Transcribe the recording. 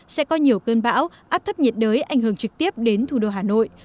sẽ có nhiều cơn bão áp thấp nhiệt đới ảnh hưởng trực tiếp đến thủ đô hà nội